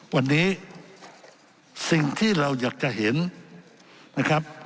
วันนี้สิ่งที่เราอยากจะเห็นนะครับ